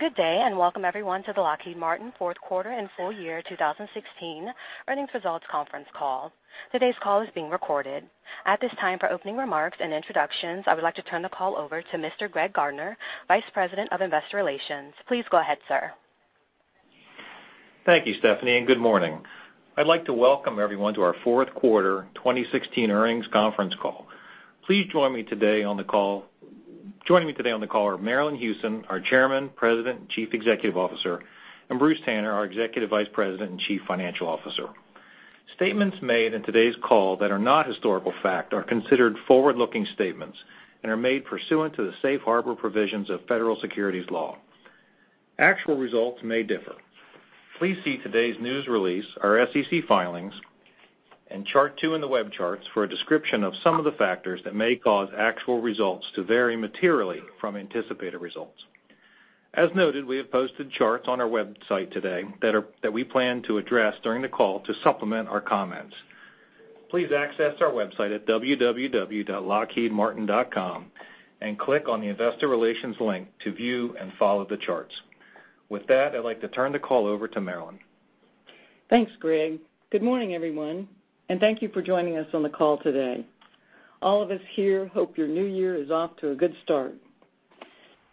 Good day, welcome, everyone, to the Lockheed Martin fourth quarter and full year 2016 earnings results conference call. Today's call is being recorded. At this time, for opening remarks and introductions, I would like to turn the call over to Mr. Greg Gardner, Vice President of Investor Relations. Please go ahead, sir. Thank you, Stephanie, good morning. I'd like to welcome everyone to our fourth quarter 2016 earnings conference call. Joining me today on the call are Marillyn Hewson, our Chairman, President, and Chief Executive Officer, and Bruce Tanner, our Executive Vice President and Chief Financial Officer. Statements made in today's call that are not historical fact are considered forward-looking statements and are made pursuant to the safe harbor provisions of federal securities law. Actual results may differ. Please see today's news release, our SEC filings, and chart two in the web charts for a description of some of the factors that may cause actual results to vary materially from anticipated results. As noted, we have posted charts on our website today that we plan to address during the call to supplement our comments. Please access our website at www.lockheedmartin.com and click on the Investor Relations link to view and follow the charts. With that, I'd like to turn the call over to Marillyn. Thanks, Greg. Good morning, everyone, thank you for joining us on the call today. All of us here hope your new year is off to a good start.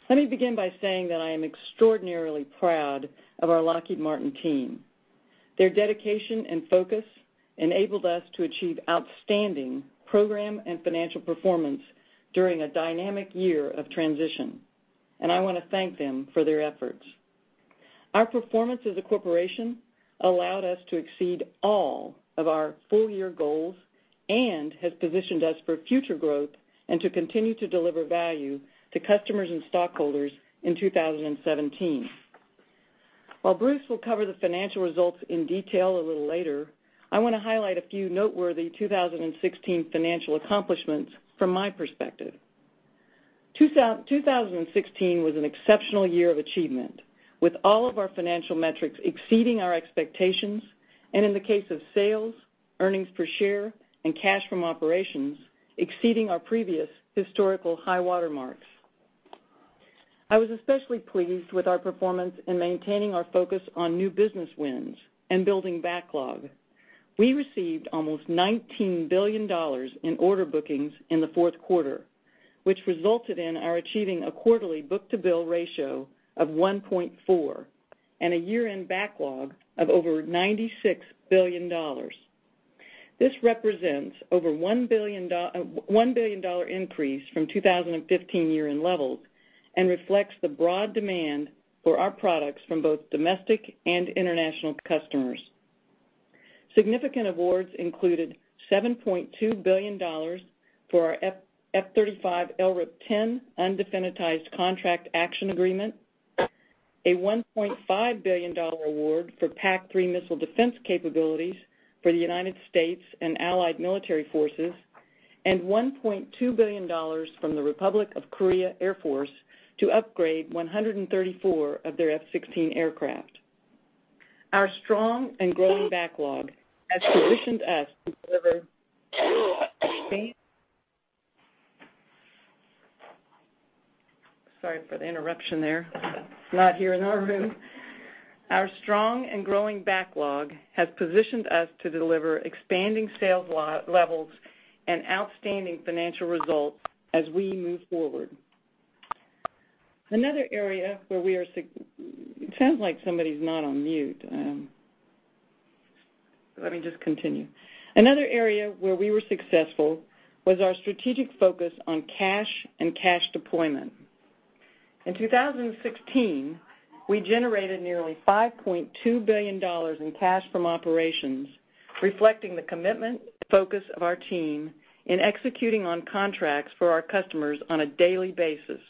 Let me begin by saying that I am extraordinarily proud of our Lockheed Martin team. Their dedication and focus enabled us to achieve outstanding program and financial performance during a dynamic year of transition, and I want to thank them for their efforts. Our performance as a corporation allowed us to exceed all of our full-year goals and has positioned us for future growth and to continue to deliver value to customers and stockholders in 2017. While Bruce will cover the financial results in detail a little later, I want to highlight a few noteworthy 2016 financial accomplishments from my perspective. 2016 was an exceptional year of achievement, with all of our financial metrics exceeding our expectations, and in the case of sales, earnings per share, and cash from operations, exceeding our previous historical high water marks. I was especially pleased with our performance in maintaining our focus on new business wins and building backlog. We received almost $19 billion in order bookings in the fourth quarter, which resulted in our achieving a quarterly book-to-bill ratio of 1.4 and a year-end backlog of over $96 billion. This represents over a $1 billion increase from 2015 year-end levels and reflects the broad demand for our products from both domestic and international customers. Significant awards included $7.2 billion for our F-35 LRIP 10 undefinitized contract action agreement, a $1.5 billion award for PAC-3 missile defense capabilities for the U.S. and allied military forces, and $1.2 billion from the Republic of Korea Air Force to upgrade 134 of their F-16 aircraft. Our strong and growing backlog has positioned us to deliver Excuse me. Sorry for the interruption there. Snot here in our room. Our strong and growing backlog has positioned us to deliver expanding sales levels and outstanding financial results as we move forward. It sounds like somebody's not on mute. Let me just continue. Another area where we were successful was our strategic focus on cash and cash deployment. In 2016, we generated nearly $5.2 billion in cash from operations, reflecting the commitment, focus of our team in executing on contracts for our customers on a daily basis.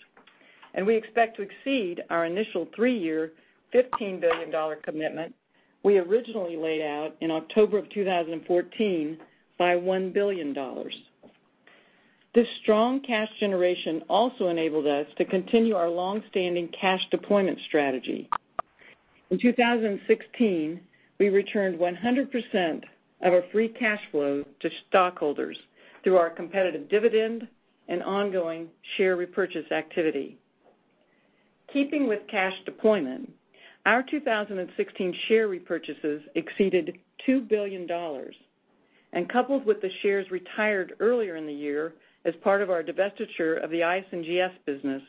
We expect to exceed our initial three-year, $15 billion commitment we originally laid out in October of 2014 by $1 billion. This strong cash generation also enabled us to continue our longstanding cash deployment strategy. In 2016, we returned 100% of our free cash flow to stockholders through our competitive dividend and ongoing share repurchase activity. Keeping with cash deployment, our 2016 share repurchases exceeded $2 billion, and coupled with the shares retired earlier in the year as part of our divestiture of the IS&GS business,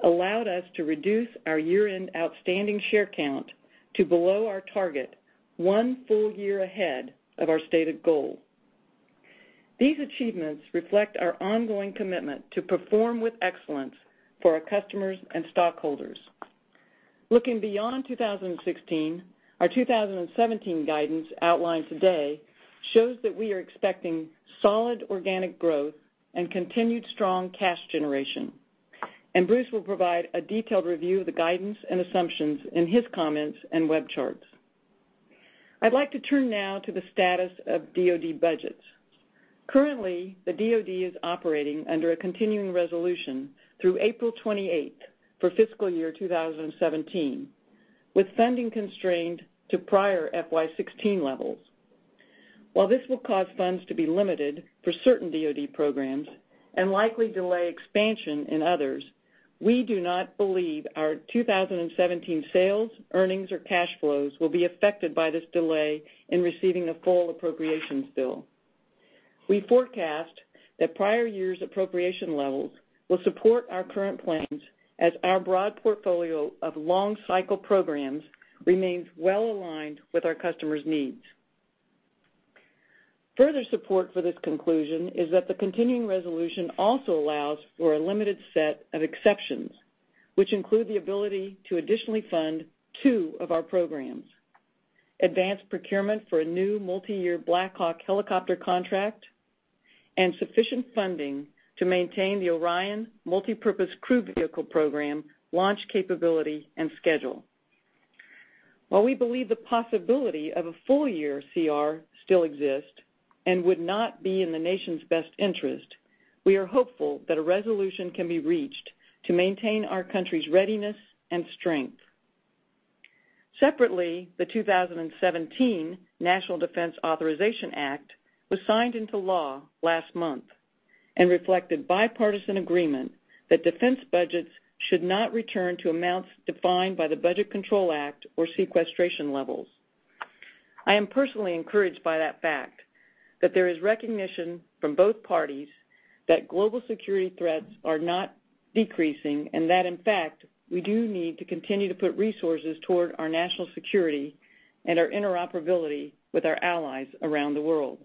allowed us to reduce our year-end outstanding share count to below our target one full year ahead of our stated goal. These achievements reflect our ongoing commitment to perform with excellence for our customers and stockholders. Looking beyond 2016, our 2017 guidance outlined today shows that we are expecting solid organic growth and continued strong cash generation. Bruce will provide a detailed review of the guidance and assumptions in his comments and web charts. I'd like to turn now to the status of DoD budgets. Currently, the DoD is operating under a continuing resolution through April 28th for fiscal year 2017, with funding constrained to prior FY 2016 levels. While this will cause funds to be limited for certain DoD programs and likely delay expansion in others, we do not believe our 2017 sales, earnings, or cash flows will be affected by this delay in receiving a full appropriations bill. We forecast that prior years' appropriation levels will support our current plans as our broad portfolio of long-cycle programs remains well-aligned with our customers' needs. Further support for this conclusion is that the continuing resolution also allows for a limited set of exceptions, which include the ability to additionally fund two of our programs, advanced procurement for a new multiyear Black Hawk helicopter contract, and sufficient funding to maintain the Orion Multi-Purpose Crew Vehicle program launch capability and schedule. While we believe the possibility of a full-year CR still exists and would not be in the nation's best interest, we are hopeful that a resolution can be reached to maintain our country's readiness and strength. Separately, the 2017 National Defense Authorization Act was signed into law last month and reflected bipartisan agreement that defense budgets should not return to amounts defined by the Budget Control Act or sequestration levels. I am personally encouraged by that fact that there is recognition from both parties that global security threats are not decreasing, that, in fact, we do need to continue to put resources toward our national security and our interoperability with our allies around the world.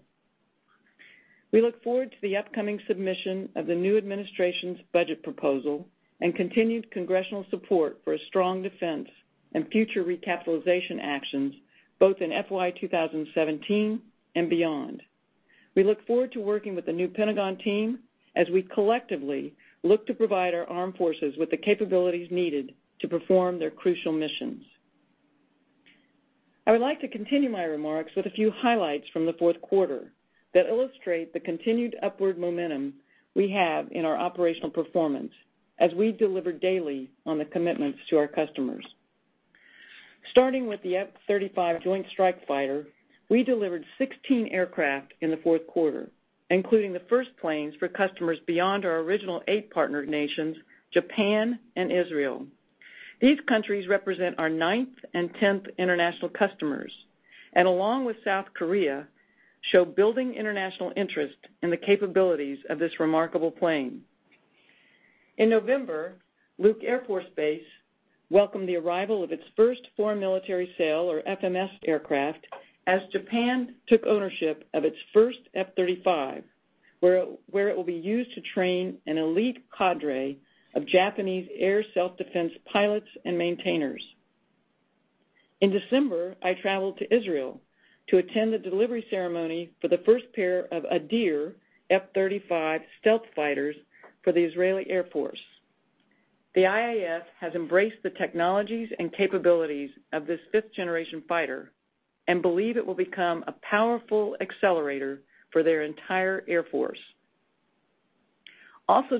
We look forward to the upcoming submission of the new administration's budget proposal and continued congressional support for a strong defense and future recapitalization actions, both in FY 2017 and beyond. We look forward to working with the new Pentagon team as we collectively look to provide our armed forces with the capabilities needed to perform their crucial missions. I would like to continue my remarks with a few highlights from the fourth quarter that illustrate the continued upward momentum we have in our operational performance as we deliver daily on the commitments to our customers. Starting with the F-35 Joint Strike Fighter, we delivered 16 aircraft in the fourth quarter, including the first planes for customers beyond our original eight partner nations, Japan and Israel. These countries represent our ninth and 10th international customers, and along with South Korea, show building international interest in the capabilities of this remarkable plane. In November, Luke Air Force Base welcomed the arrival of its first foreign military sale, or FMS aircraft, as Japan took ownership of its first F-35, where it will be used to train an elite cadre of Japanese air self-defense pilots and maintainers. In December, I traveled to Israel to attend the delivery ceremony for the first pair of Adir F-35 stealth fighters for the Israeli Air Force. The IAF has embraced the technologies and capabilities of this fifth-generation fighter and believe it will become a powerful accelerator for their entire air force.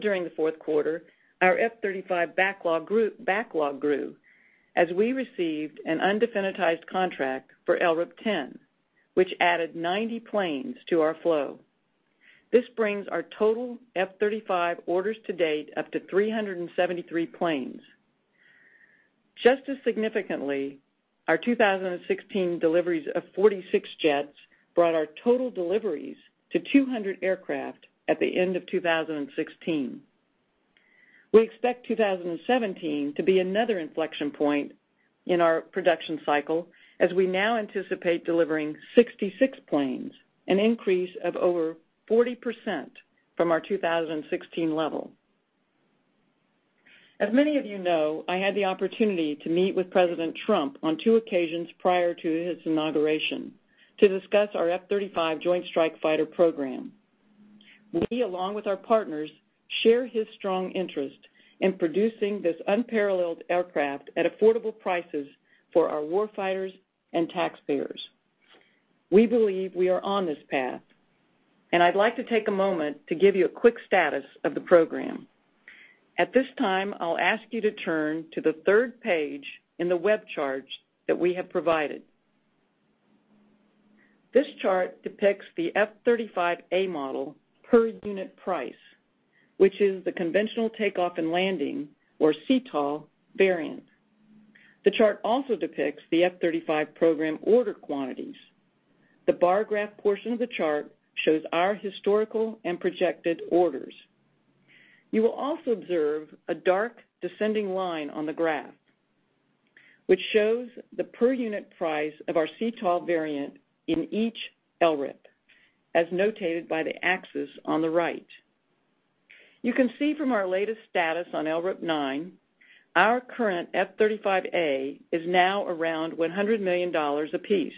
During the fourth quarter, our F-35 backlog grew as we received an undefinitized contract for LRIP 10, which added 90 planes to our flow. This brings our total F-35 orders to date up to 373 planes. Just as significantly, our 2016 deliveries of 46 jets brought our total deliveries to 200 aircraft at the end of 2016. We expect 2017 to be another inflection point in our production cycle as we now anticipate delivering 66 planes, an increase of over 40% from our 2016 level. As many of you know, I had the opportunity to meet with President Trump on two occasions prior to his inauguration to discuss our F-35 Joint Strike Fighter program. We, along with our partners, share his strong interest in producing this unparalleled aircraft at affordable prices for our war fighters and taxpayers. We believe we are on this path. I'd like to take a moment to give you a quick status of the program. At this time, I'll ask you to turn to the third page in the web charts that we have provided. This chart depicts the F-35A model per unit price, which is the conventional takeoff and landing, or CTOL variant. The chart also depicts the F-35 program order quantities. The bar graph portion of the chart shows our historical and projected orders. You will also observe a dark descending line on the graph, which shows the per unit price of our CTOL variant in each LRIP, as notated by the axis on the right. You can see from our latest status on LRIP 9, our current F-35A is now around $100 million a piece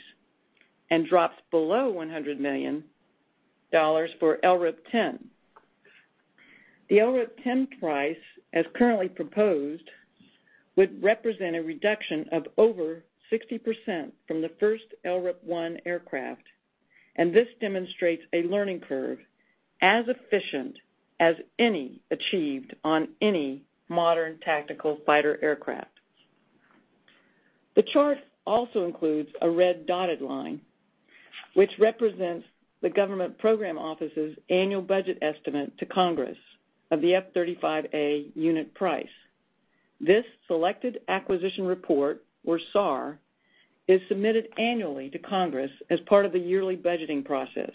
and drops below $100 million for LRIP 10. The LRIP 10 price, as currently proposed, would represent a reduction of over 60% from the first LRIP 1 aircraft. This demonstrates a learning curve as efficient as any achieved on any modern tactical fighter aircraft. The chart also includes a red dotted line, which represents the government program office's annual budget estimate to Congress of the F-35A unit price. This selected acquisition report, or SAR, is submitted annually to Congress as part of the yearly budgeting process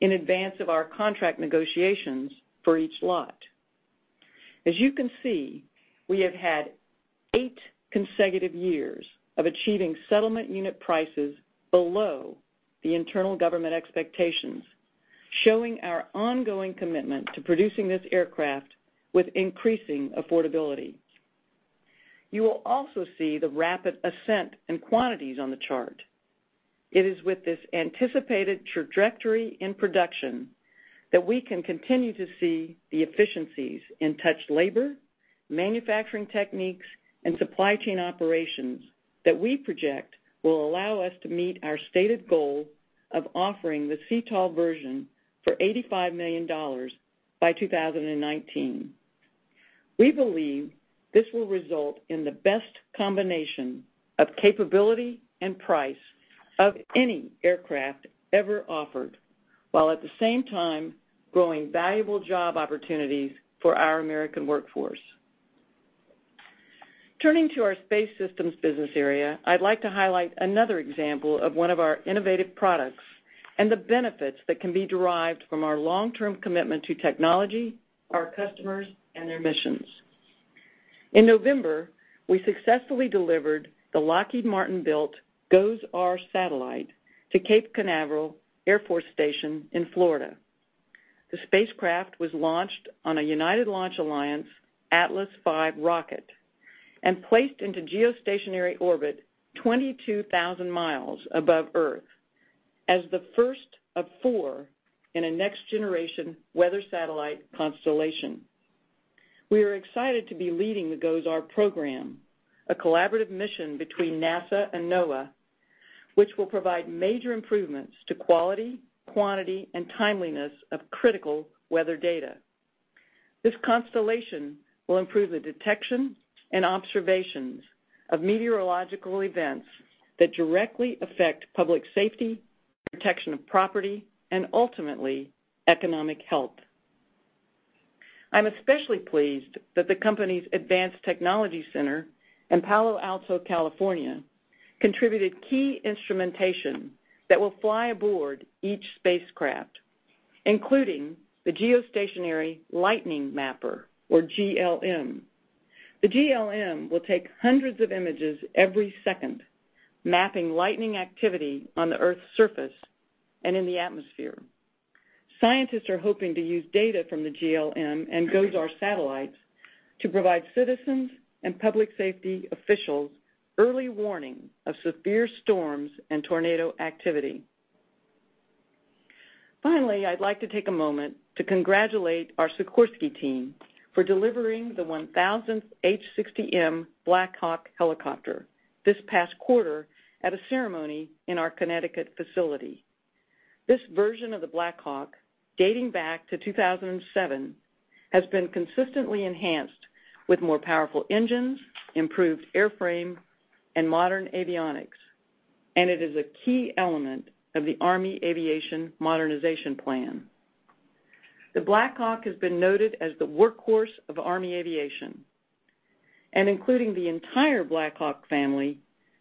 in advance of our contract negotiations for each lot. You can see, we have had eight consecutive years of achieving settlement unit prices below the internal government expectations, showing our ongoing commitment to producing this aircraft with increasing affordability. You will also see the rapid ascent in quantities on the chart. It is with this anticipated trajectory in production that we can continue to see the efficiencies in touched labor, manufacturing techniques, and supply chain operations that we project will allow us to meet our stated goal of offering the CTOL version for $85 million by 2019. We believe this will result in the best combination of capability and price of any aircraft ever offered, while at the same time, growing valuable job opportunities for our American workforce. Turning to our space systems business area, I'd like to highlight another example of one of our innovative products and the benefits that can be derived from our long-term commitment to technology, our customers, and their missions. In November, we successfully delivered the Lockheed Martin-built GOES-R satellite to Cape Canaveral Air Force Station in Florida. The spacecraft was launched on a United Launch Alliance Atlas V rocket and placed into geostationary orbit 22,000 miles above Earth as the first of four in a next-generation weather satellite constellation. We are excited to be leading the GOES-R program, a collaborative mission between NASA and NOAA, which will provide major improvements to quality, quantity, and timeliness of critical weather data. This constellation will improve the detection and observations of meteorological events that directly affect public safety, protection of property, and ultimately, economic health. I'm especially pleased that the company's Advanced Technology Center in Palo Alto, California, contributed key instrumentation that will fly aboard each spacecraft, including the Geostationary Lightning Mapper, or GLM. The GLM will take hundreds of images every second, mapping lightning activity on the Earth's surface and in the atmosphere. Scientists are hoping to use data from the GLM and GOES-R satellites to provide citizens and public safety officials early warning of severe storms and tornado activity. Finally, I'd like to take a moment to congratulate our Sikorsky team for delivering the 1,000th UH-60M Black Hawk helicopter this past quarter at a ceremony in our Connecticut facility. This version of the Black Hawk, dating back to 2007, has been consistently enhanced with more powerful engines, improved airframe, and modern avionics, and it is a key element of the Army Aviation modernization plan. The Black Hawk has been noted as the workhorse of Army Aviation, and including the entire Black Hawk family,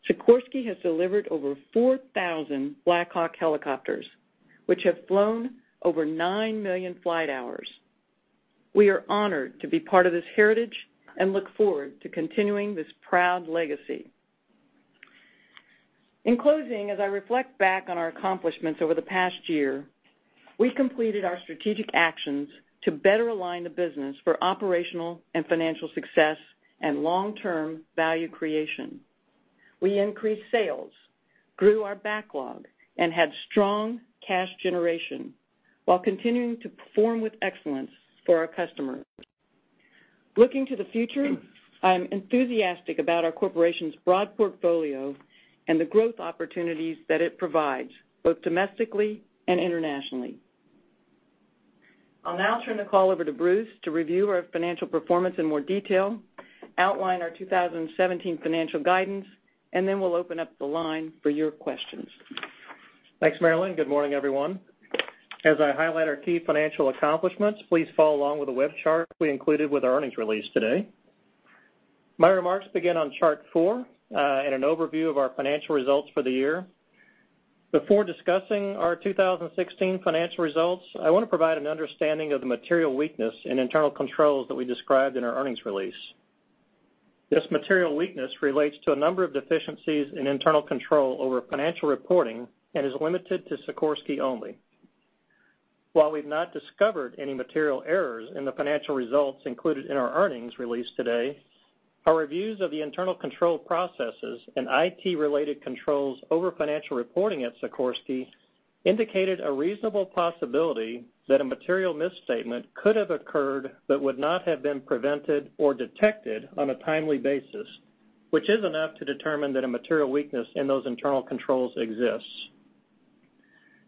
Sikorsky has delivered over 4,000 Black Hawk helicopters, which have flown over nine million flight hours. We are honored to be part of this heritage and look forward to continuing this proud legacy. In closing, as I reflect back on our accomplishments over the past year, we completed our strategic actions to better align the business for operational and financial success and long-term value creation. We increased sales, grew our backlog, and had strong cash generation while continuing to perform with excellence for our customers. Looking to the future, I am enthusiastic about our corporation's broad portfolio and the growth opportunities that it provides, both domestically and internationally. I'll now turn the call over to Bruce to review our financial performance in more detail, outline our 2017 financial guidance, then we'll open up the line for your questions. Thanks, Marillyn. Good morning, everyone. As I highlight our key financial accomplishments, please follow along with the web chart we included with our earnings release today. My remarks begin on chart four, an overview of our financial results for the year. Before discussing our 2016 financial results, I want to provide an understanding of the material weakness in internal controls that we described in our earnings release. This material weakness relates to a number of deficiencies in internal control over financial reporting and is limited to Sikorsky only. While we've not discovered any material errors in the financial results included in our earnings release today, our reviews of the internal control processes and IT-related controls over financial reporting at Sikorsky indicated a reasonable possibility that a material misstatement could have occurred but would not have been prevented or detected on a timely basis, which is enough to determine that a material weakness in those internal controls exists.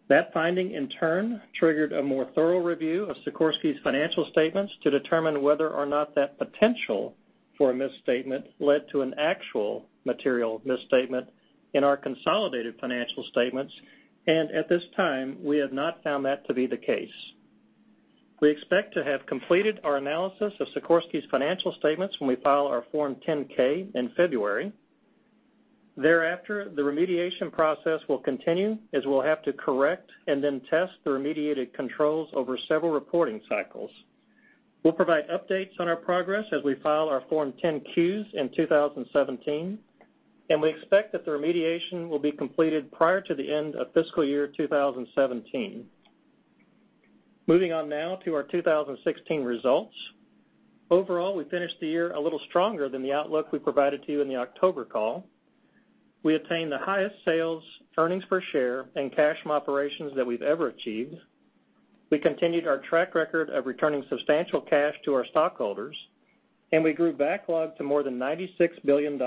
That finding, in turn, triggered a more thorough review of Sikorsky's financial statements to determine whether or not that potential for a misstatement led to an actual material misstatement in our consolidated financial statements. At this time, we have not found that to be the case. We expect to have completed our analysis of Sikorsky's financial statements when we file our Form 10-K in February. Thereafter, the remediation process will continue as we'll have to correct and then test the remediated controls over several reporting cycles. We'll provide updates on our progress as we file our Form 10-Qs in 2017, and we expect that the remediation will be completed prior to the end of fiscal year 2017. Moving on now to our 2016 results. Overall, we finished the year a little stronger than the outlook we provided to you in the October call. We attained the highest sales, earnings per share, and cash from operations that we've ever achieved. We continued our track record of returning substantial cash to our stockholders, and we grew backlog to more than $96 billion,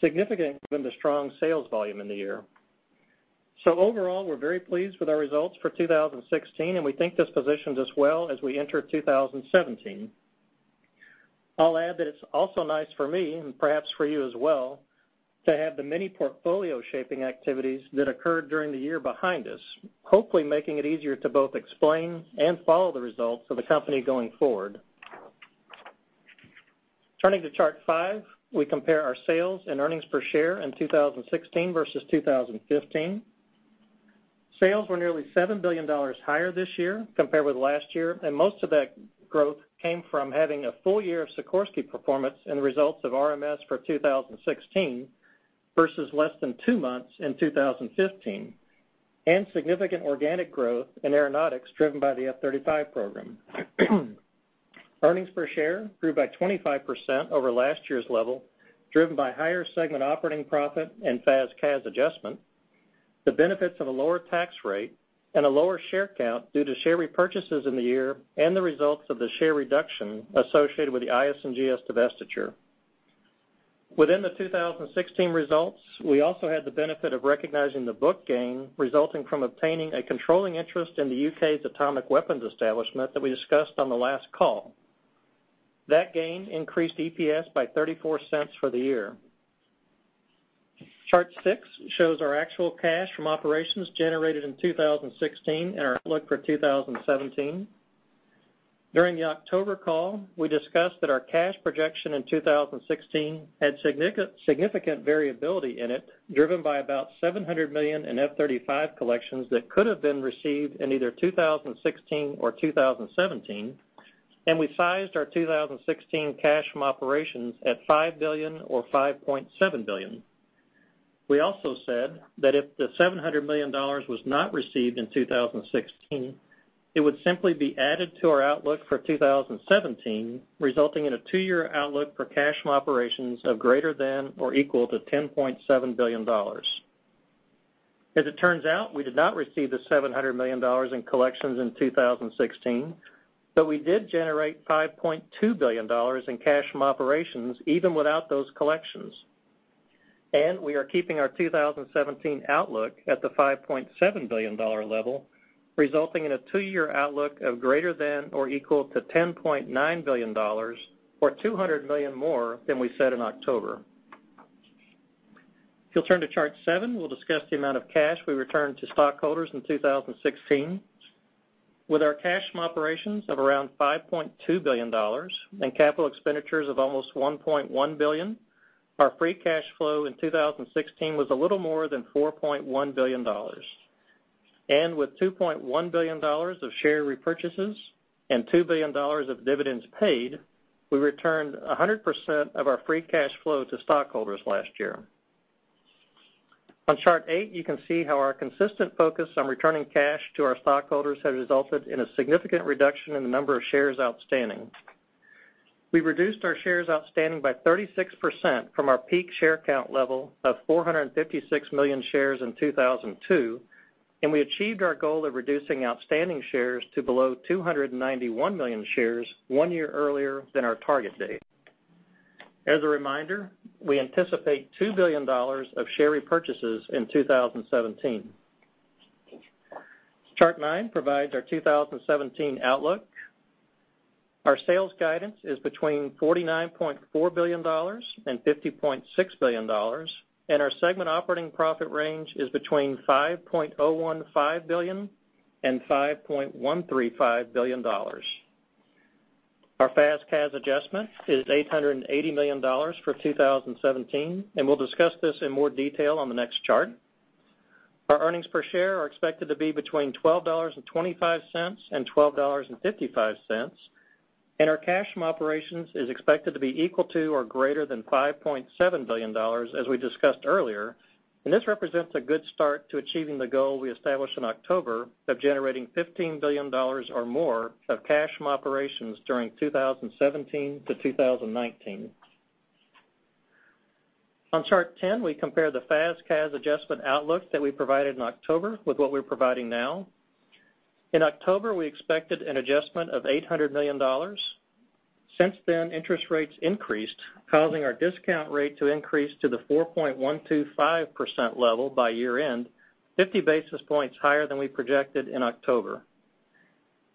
significantly driven the strong sales volume in the year. Overall, we're very pleased with our results for 2016, and we think this positions us well as we enter 2017. I'll add that it's also nice for me, and perhaps for you as well, to have the many portfolio shaping activities that occurred during the year behind us, hopefully making it easier to both explain and follow the results of the company going forward. Turning to Chart five, we compare our sales and earnings per share in 2016 versus 2015. Sales were nearly $7 billion higher this year compared with last year, and most of that growth came from having a full year of Sikorsky performance and the results of RMS for 2016 versus less than two months in 2015, and significant organic growth in aeronautics driven by the F-35 program. Earnings per share grew by 25% over last year's level, driven by higher segment operating profit and FAS/CAS adjustment. The benefits of a lower tax rate and a lower share count due to share repurchases in the year and the results of the share reduction associated with the IS&GS divestiture. Within the 2016 results, we also had the benefit of recognizing the book gain resulting from obtaining a controlling interest in the U.K.'s Atomic Weapons Establishment that we discussed on the last call. That gain increased EPS by $0.34 for the year. Chart six shows our actual cash from operations generated in 2016 and our outlook for 2017. During the October call, we discussed that our cash projection in 2016 had significant variability in it, driven by about $700 million in F-35 collections that could have been received in either 2016 or 2017, and we sized our 2016 cash from operations at $5 billion or $5.7 billion. We also said that if the $700 million was not received in 2016, it would simply be added to our outlook for 2017, resulting in a two-year outlook for cash from operations of greater than or equal to $10.7 billion. As it turns out, we did not receive the $700 million in collections in 2016, but we did generate $5.2 billion in cash from operations even without those collections. We are keeping our 2017 outlook at the $5.7 billion level, resulting in a two-year outlook of greater than or equal to $10.9 billion, or $200 million more than we said in October. If you'll turn to Chart seven, we'll discuss the amount of cash we returned to stockholders in 2016. With our cash from operations of around $5.2 billion and capital expenditures of almost $1.1 billion, our free cash flow in 2016 was a little more than $4.1 billion. With $2.1 billion of share repurchases and $2 billion of dividends paid, we returned 100% of our free cash flow to stockholders last year. On Chart eight, you can see how our consistent focus on returning cash to our stockholders has resulted in a significant reduction in the number of shares outstanding. We reduced our shares outstanding by 36% from our peak share count level of 456 million shares in 2002, and we achieved our goal of reducing outstanding shares to below 291 million shares one year earlier than our target date. As a reminder, we anticipate $2 billion of share repurchases in 2017. Chart nine provides our 2017 outlook. Our sales guidance is between $49.4 billion and $50.6 billion, and our segment operating profit range is between $5.015 billion and $5.135 billion. Our FAS/CAS adjustment is $880 million for 2017. We'll discuss this in more detail on the next chart. Our earnings per share are expected to be between $12.25 and $12.55, and our cash from operations is expected to be equal to or greater than $5.7 billion, as we discussed earlier. This represents a good start to achieving the goal we established in October of generating $15 billion or more of cash from operations during 2017 to 2019. On Chart 10, we compare the FAS/CAS adjustment outlook that we provided in October with what we're providing now. In October, we expected an adjustment of $800 million. Since then, interest rates increased, causing our discount rate to increase to the 4.125% level by year-end, 50 basis points higher than we projected in October.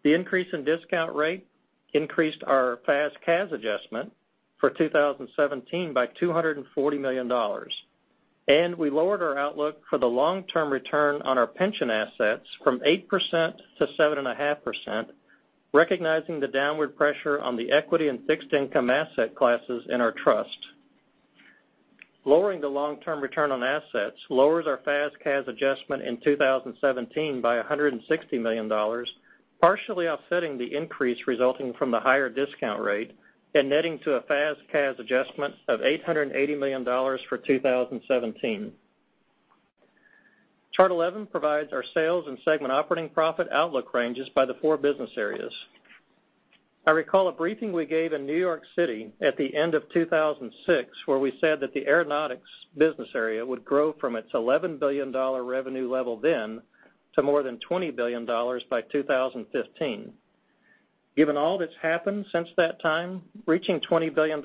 The increase in discount rate increased our FAS/CAS adjustment for 2017 by $240 million. We lowered our outlook for the long-term return on our pension assets from 8% to 7.5%, recognizing the downward pressure on the equity and fixed income asset classes in our trust. Lowering the long-term return on assets lowers our FAS/CAS adjustment in 2017 by $160 million, partially offsetting the increase resulting from the higher discount rate and netting to a FAS/CAS adjustment of $880 million for 2017. Chart 11 provides our sales and segment operating profit outlook ranges by the four business areas. I recall a briefing we gave in New York City at the end of 2006, where we said that the aeronautics business area would grow from its $11 billion revenue level then to more than $20 billion by 2015. Given all that's happened since that time, reaching $20 billion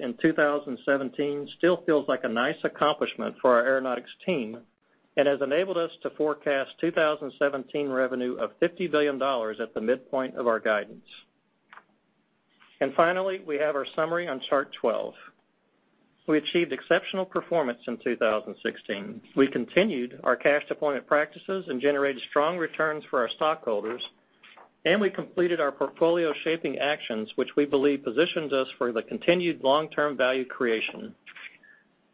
in 2017 still feels like a nice accomplishment for our aeronautics team and has enabled us to forecast 2017 revenue of $50 billion at the midpoint of our guidance. Finally, we have our summary on Chart 12. We achieved exceptional performance in 2016. We continued our cash deployment practices and generated strong returns for our stockholders. We completed our portfolio shaping actions, which we believe positions us for the continued long-term value creation.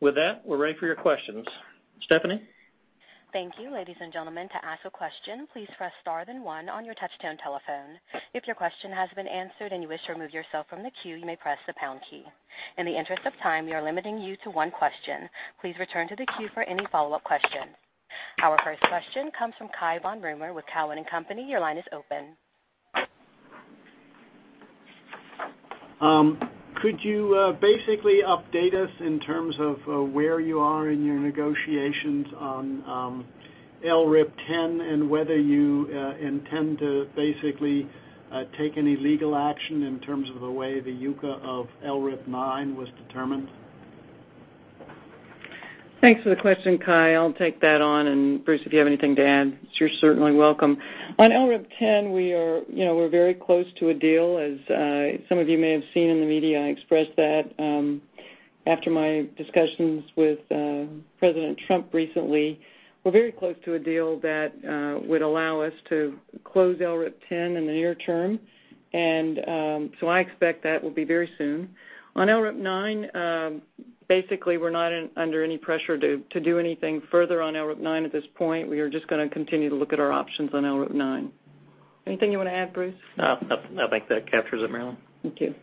With that, we're ready for your questions. Stephanie? Thank you, ladies and gentlemen. To ask a question, please press star then one on your touch-tone telephone. If your question has been answered and you wish to remove yourself from the queue, you may press the pound key. In the interest of time, we are limiting you to one question. Please return to the queue for any follow-up questions. Our first question comes from Cai von Rumohr with Cowen and Company. Your line is open. Could you basically update us in terms of where you are in your negotiations on LRIP 10 and whether you intend to basically take any legal action in terms of the way the UCA of LRIP 9 was determined? Thanks for the question, Cai. I'll take that on, and Bruce, if you have anything to add, you're certainly welcome. On LRIP 10, we're very close to a deal. As some of you may have seen in the media, I expressed that after my discussions with President Trump recently. I expect that will be very soon. On LRIP 9, basically, we're not under any pressure to do anything further on LRIP 9 at this point. We are just going to continue to look at our options on LRIP 9. Anything you want to add, Bruce? No. I think that captures it, Marillyn. Thank you.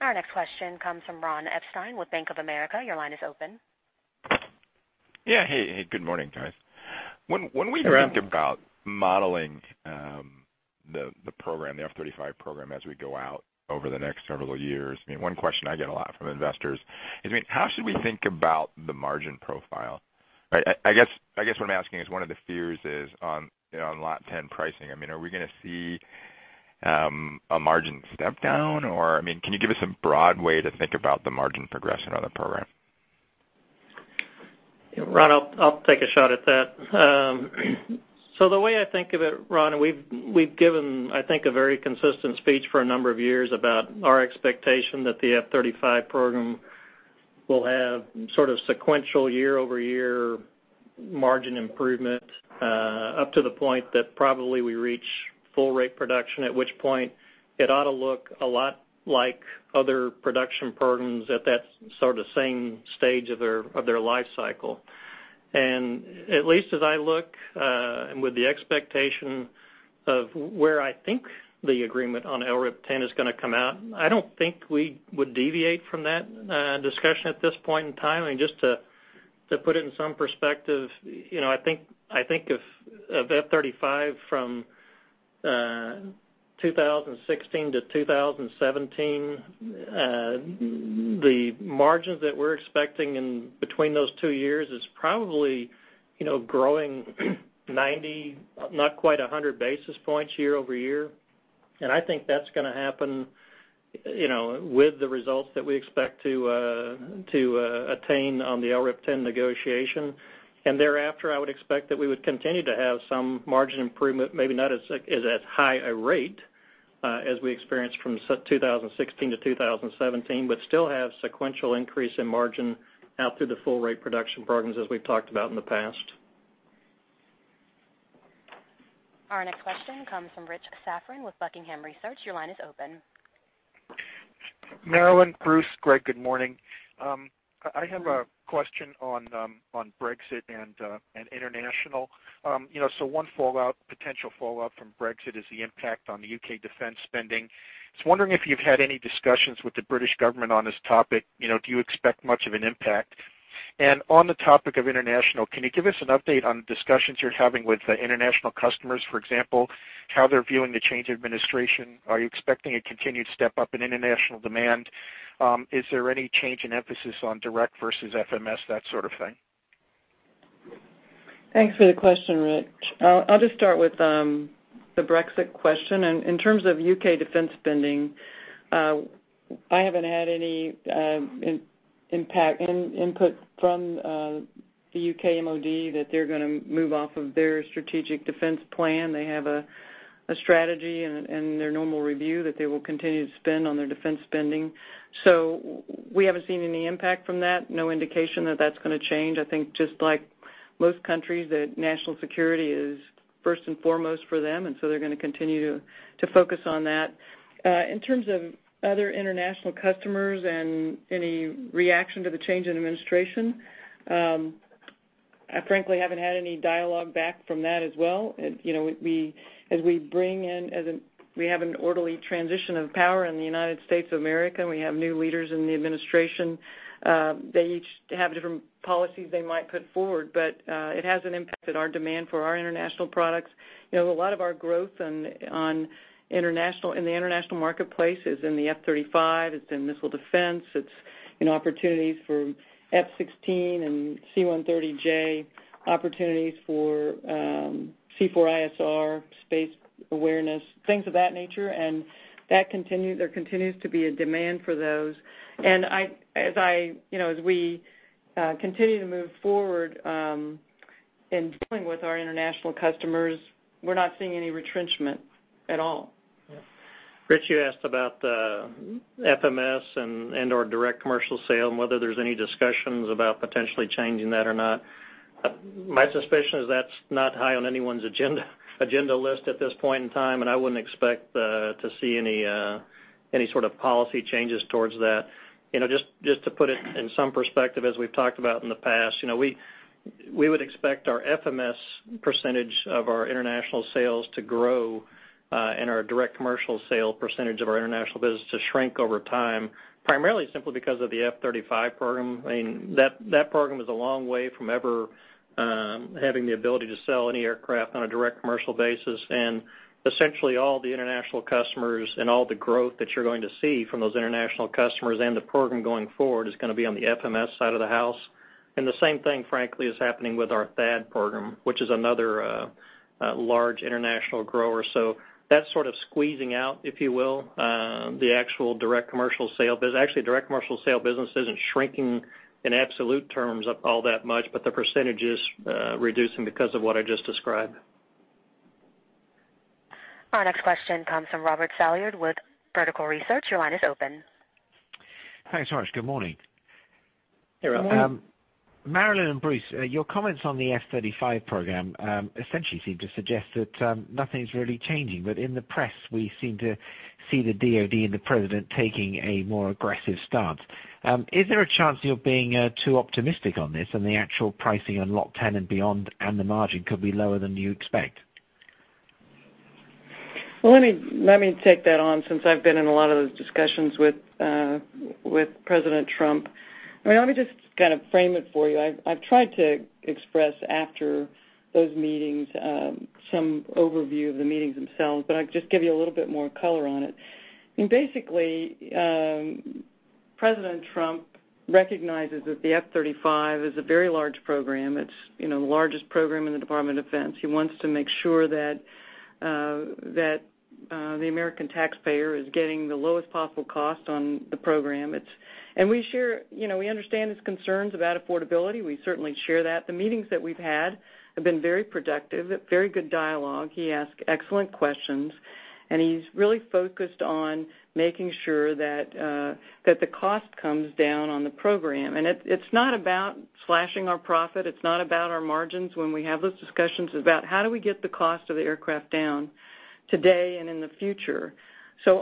Our next question comes from Ron Epstein with Bank of America. Your line is open. Yeah. Hey, good morning, guys. Hey, Ron. When we think about modeling the F-35 program as we go out over the next several years, one question I get a lot from investors is, how should we think about the margin profile? I guess what I'm asking is one of the fears is on Lot 10 pricing. Are we going to see a margin step down or can you give us a broad way to think about the margin progression on the program? Ron, I'll take a shot at that. The way I think of it, Ron, we've given, I think, a very consistent speech for a number of years about our expectation that the F-35 program will have sort of sequential year-over-year margin improvement up to the point that probably we reach full rate production, at which point it ought to look a lot like other production programs at that sort of same stage of their life cycle. At least as I look, with the expectation of where I think the agreement on LRIP 10 is going to come out, I don't think we would deviate from that discussion at this point in time. Just to put it in some perspective, I think of F-35 from 2016 to 2017, the margins that we're expecting between those two years is probably growing 90, not quite 100 basis points year-over-year. I think that's going to happen with the results that we expect to attain on the LRIP 10 negotiation. Thereafter, I would expect that we would continue to have some margin improvement, maybe not as high a rate as we experienced from 2016 to 2017, but still have sequential increase in margin out through the full rate production programs as we've talked about in the past. Our next question comes from Rich Safran with Buckingham Research. Your line is open. Marillyn, Bruce, Greg, good morning. I have a question on Brexit and international. One potential fallout from Brexit is the impact on the U.K. defense spending. Just wondering if you've had any discussions with the British government on this topic. Do you expect much of an impact? On the topic of international, can you give us an update on discussions you're having with international customers, for example, how they're viewing the change in administration? Are you expecting a continued step up in international demand? Is there any change in emphasis on direct versus FMS, that sort of thing? Thanks for the question, Rich. I'll just start with the Brexit question. In terms of U.K. defense spending, I haven't had any impact input from the U.K. MOD that they're going to move off of their strategic defense plan. They have a strategy and their normal review that they will continue to spend on their defense spending. We haven't seen any impact from that. No indication that that's going to change. I think just like most countries, that national security is first and foremost for them, they're going to continue to focus on that. In terms of other international customers and any reaction to the change in administration, I frankly haven't had any dialogue back from that as well. As we have an orderly transition of power in the United States of America, we have new leaders in the administration, they each have different policies they might put forward, it hasn't impacted our demand for our international products. A lot of our growth in the international marketplace is in the F-35, it's in missile defense, it's in opportunities for F-16 and C-130J, opportunities for C4ISR, space awareness, things of that nature. There continues to be a demand for those. As we continue to move forward in dealing with our international customers, we're not seeing any retrenchment at all. Rich, you asked about the FMS and/or direct commercial sale and whether there's any discussions about potentially changing that or not. My suspicion is that's not high on anyone's agenda list at this point in time, I wouldn't expect to see any sort of policy changes towards that. Just to put it in some perspective, as we've talked about in the past, we would expect our FMS percentage of our international sales to grow and our direct commercial sale percentage of our international business to shrink over time, primarily simply because of the F-35 program. That program is a long way from ever having the ability to sell any aircraft on a direct commercial basis. Essentially all the international customers and all the growth that you're going to see from those international customers and the program going forward is going to be on the FMS side of the house. The same thing, frankly, is happening with our THAAD program, which is another large international grower. That's sort of squeezing out, if you will, the actual direct commercial sale business. Actually, direct commercial sale business isn't shrinking in absolute terms all that much, but the percentage is reducing because of what I just described. Our next question comes from Robert Stallard with Vertical Research. Your line is open. Thanks so much. Good morning. Hey, Robert. Good morning. Marillyn and Bruce, your comments on the F-35 program essentially seem to suggest that nothing's really changing. In the press, we seem to see the DoD and President taking a more aggressive stance. Is there a chance you're being too optimistic on this and the actual pricing on Lot 10 and beyond, and the margin could be lower than you expect? Well, let me take that on since I've been in a lot of those discussions with President Trump. Let me just kind of frame it for you. I've tried to express after those meetings some overview of the meetings themselves, but I'll just give you a little bit more color on it. Basically, President Trump recognizes that the F-35 is a very large program. It's the largest program in the Department of Defense. He wants to make sure that the American taxpayer is getting the lowest possible cost on the program. We understand his concerns about affordability. We certainly share that. The meetings that we've had have been very productive, very good dialogue. He asked excellent questions, he's really focused on making sure that the cost comes down on the program. It's not about slashing our profit. It's not about our margins when we have those discussions. It's about how do we get the cost of the aircraft down today and in the future.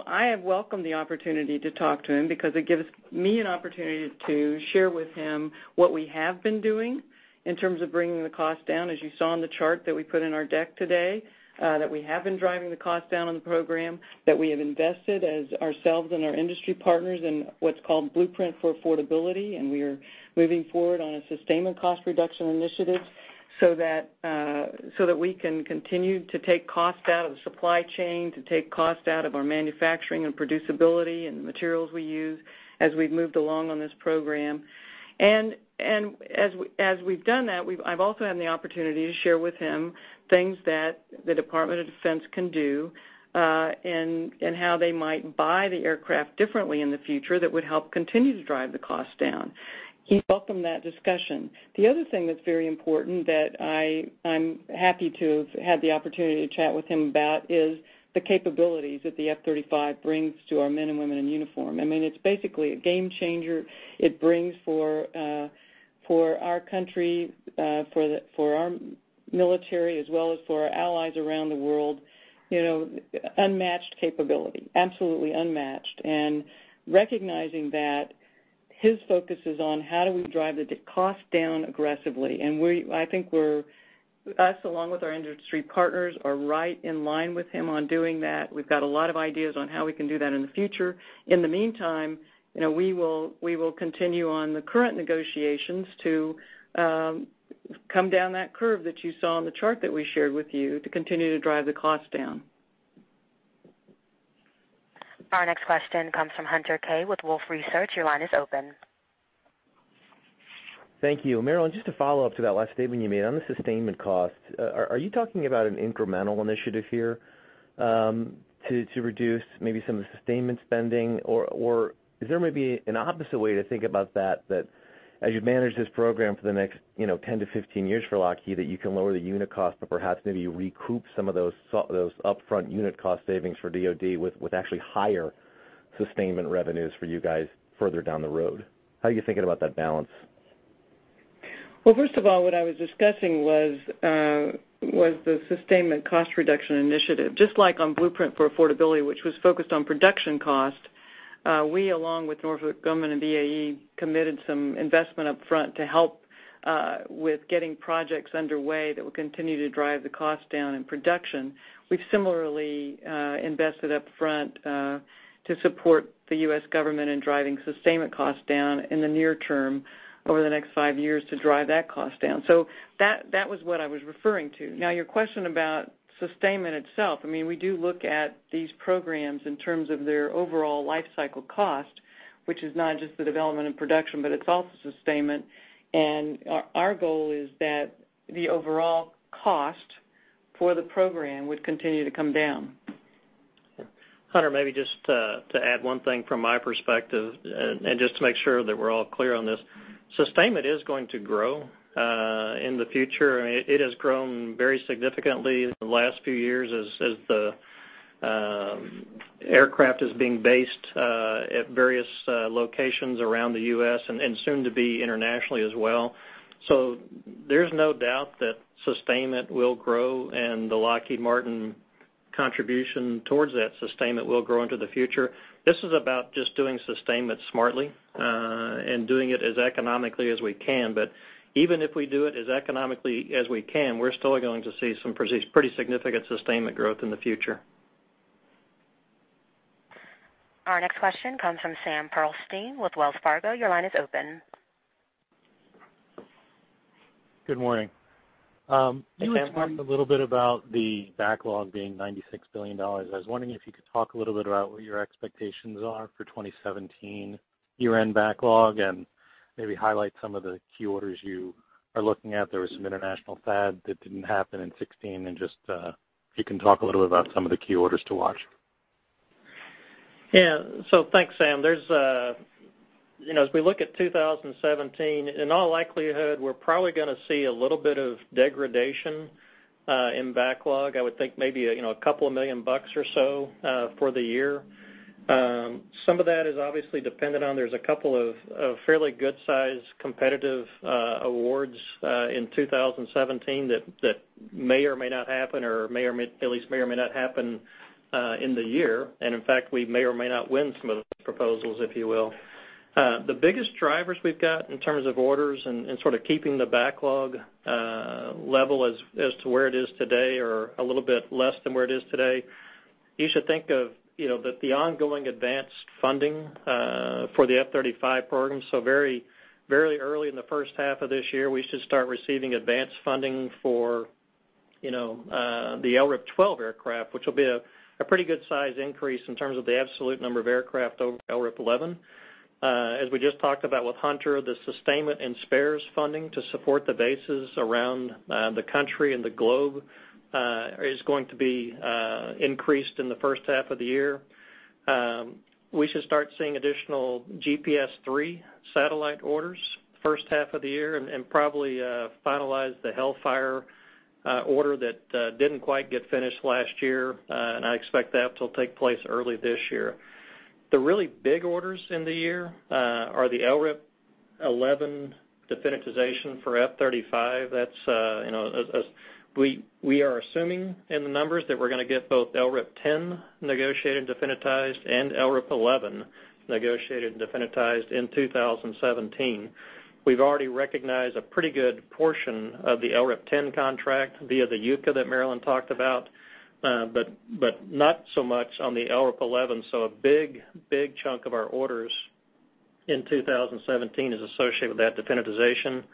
I have welcomed the opportunity to talk to him because it gives me an opportunity to share with him what we have been doing in terms of bringing the cost down, as you saw in the chart that we put in our deck today, that we have been driving the cost down on the program, that we have invested as ourselves and our industry partners in what's called Blueprint for Affordability. We are moving forward on a sustainment cost reduction initiative so that we can continue to take cost out of the supply chain, to take cost out of our manufacturing and producibility and the materials we use as we've moved along on this program. As we've done that, I've also had the opportunity to share with him things that the Department of Defense can do and how they might buy the aircraft differently in the future that would help continue to drive the cost down. He welcomed that discussion. The other thing that's very important that I'm happy to have had the opportunity to chat with him about is the capabilities that the F-35 brings to our men and women in uniform. It's basically a game changer. It brings for our country, for our military, as well as for our allies around the world, unmatched capability, absolutely unmatched. Recognizing that, his focus is on how do we drive the cost down aggressively. I think us, along with our industry partners, are right in line with him on doing that. We've got a lot of ideas on how we can do that in the future. In the meantime, we will continue on the current negotiations to come down that curve that you saw on the chart that we shared with you to continue to drive the cost down. Our next question comes from Hunter Keay with Wolfe Research. Your line is open. Thank you. Marillyn, just to follow up to that last statement you made on the sustainment cost, are you talking about an incremental initiative here to reduce maybe some of the sustainment spending? Or is there maybe an opposite way to think about that as you manage this program for the next 10 to 15 years for Lockheed, that you can lower the unit cost, but perhaps maybe you recoup some of those upfront unit cost savings for DoD with actually higher sustainment revenues for you guys further down the road? How are you thinking about that balance? First of all, what I was discussing was the sustainment cost reduction initiative. Just like on Blueprint for Affordability, which was focused on production cost, we, along with Northrop Grumman and BAE, committed some investment upfront to help with getting projects underway that will continue to drive the cost down in production. We've similarly invested upfront to support the U.S. government in driving sustainment costs down in the near term over the next five years to drive that cost down. That was what I was referring to. Your question about sustainment itself, we do look at these programs in terms of their overall life cycle cost, which is not just the development and production, but it's also sustainment. Our goal is that the overall cost for the program would continue to come down. Hunter, maybe just to add one thing from my perspective and just to make sure that we're all clear on this. Sustainment is going to grow in the future. It has grown very significantly in the last few years as the aircraft is being based at various locations around the U.S. and soon to be internationally as well. There's no doubt that sustainment will grow, and the Lockheed Martin contribution towards that sustainment will grow into the future. This is about just doing sustainment smartly, and doing it as economically as we can. Even if we do it as economically as we can, we're still going to see some pretty significant sustainment growth in the future. Our next question comes from Sam Pearlstein with Wells Fargo. Your line is open. Good morning. Hey, Sam. You had talked a little bit about the backlog being $96 billion. I was wondering if you could talk a little bit about what your expectations are for 2017 year-end backlog and maybe highlight some of the key orders you are looking at. There was some international THAAD that didn't happen in 2016, and just if you can talk a little bit about some of the key orders to watch. Yeah. Thanks, Sam. As we look at 2017, in all likelihood, we're probably going to see a little bit of degradation, in backlog. I would think maybe a couple of million bucks or so for the year. Some of that is obviously dependent on, there's a couple of fairly good-sized competitive awards in 2017 that may or may not happen, or at least may or may not happen in the year. In fact, we may or may not win some of those proposals, if you will. The biggest drivers we've got in terms of orders and sort of keeping the backlog level as to where it is today or a little bit less than where it is today, you should think of the ongoing advanced funding for the F-35 program. Very early in the first half of this year, we should start receiving advanced funding for the LRIP 12 aircraft, which will be a pretty good size increase in terms of the absolute number of aircraft over LRIP 11. As we just talked about with Hunter, the sustainment and spares funding to support the bases around the country and the globe is going to be increased in the first half of the year. We should start seeing additional GPS III satellite orders first half of the year and probably finalize the HELLFIRE order that didn't quite get finished last year. I expect that will take place early this year. The really big orders in the year are the LRIP 11 definitization for F-35. We are assuming in the numbers that we're going to get both LRIP 10 negotiated and definitized and LRIP 11 negotiated and definitized in 2017. We've already recognized a pretty good portion of the LRIP 10 contract via the UCA that Marillyn talked about, but not so much on the LRIP 11. A big chunk of our orders in 2017 is associated with that definitization.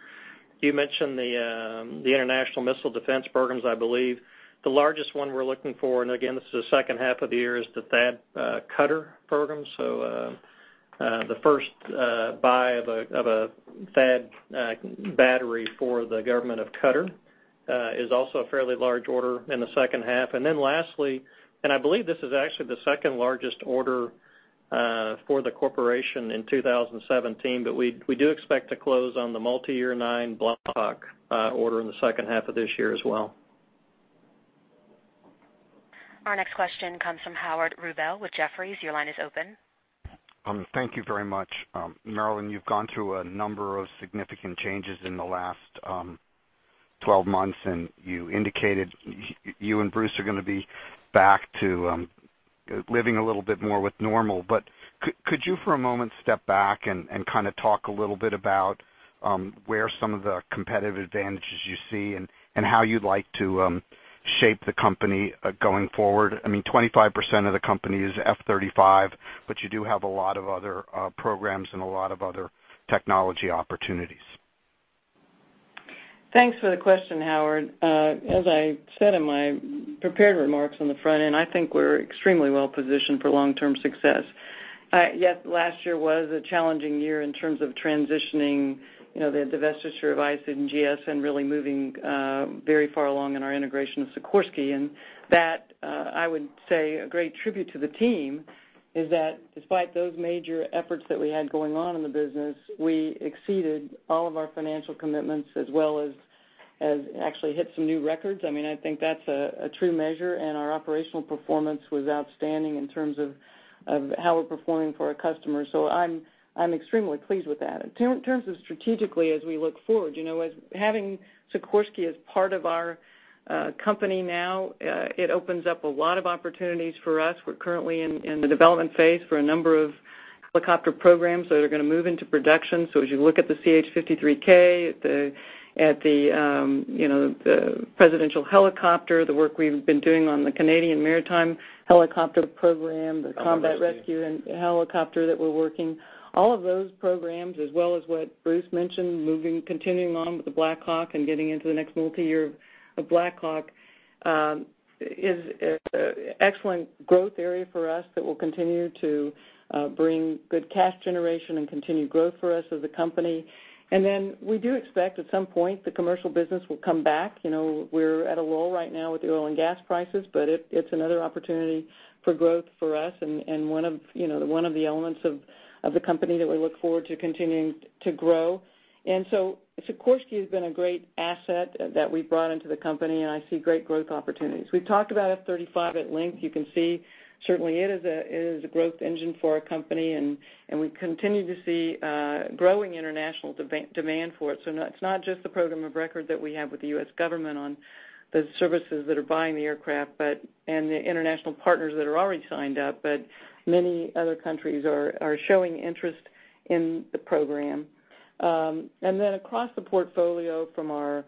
You mentioned the international missile defense programs, I believe. The largest one we're looking for, and again, this is the second half of the year, is the THAAD Qatar program. The first buy of a THAAD battery for the government of Qatar is also a fairly large order in the second half. Lastly, and I believe this is actually the second-largest order for the corporation in 2017, but we do expect to close on the multi-year nine Black Hawk order in the second half of this year as well. Our next question comes from Howard Rubel with Jefferies. Your line is open. Thank you very much. Marillyn, you've gone through a number of significant changes in the last 12 months, and you indicated you and Bruce are going to be back to living a little bit more with normal. Could you, for a moment, step back and kind of talk a little bit about where some of the competitive advantages you see and how you'd like to shape the company going forward? 25% of the company is F-35, but you do have a lot of other programs and a lot of other technology opportunities. Thanks for the question, Howard. As I said in my prepared remarks on the front end, I think we're extremely well-positioned for long-term success. Yes, last year was a challenging year in terms of transitioning the divestiture of IS&GS and really moving very far along in our integration of Sikorsky. That, I would say, a great tribute to the team is that despite those major efforts that we had going on in the business, we exceeded all of our financial commitments as well as actually hit some new records. I think that's a true measure, and our operational performance was outstanding in terms of how we're performing for our customers. I'm extremely pleased with that. In terms of strategically as we look forward, having Sikorsky as part of our company now, it opens up a lot of opportunities for us. We're currently in the development phase for a number of helicopter programs that are going to move into production. As you look at the CH-53K, at the Presidential Helicopter, the work we've been doing on the Canadian Maritime Helicopter Program, the Combat Rescue Helicopter that we're working, all of those programs, as well as what Bruce mentioned, continuing on with the Black Hawk and getting into the next multi-year of Black Hawk, is an excellent growth area for us that will continue to bring good cash generation and continued growth for us as a company. We do expect at some point the commercial business will come back. We're at a lull right now with the oil and gas prices, it's another opportunity for growth for us and one of the elements of the company that we look forward to continuing to grow. Sikorsky has been a great asset that we've brought into the company, and I see great growth opportunities. We've talked about F-35 at length. You can see certainly it is a growth engine for our company, and we continue to see growing international demand for it. It's not just the program of record that we have with the U.S. government on the services that are buying the aircraft and the international partners that are already signed up, but many other countries are showing interest in the program. Across the portfolio, from our